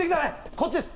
こっちです。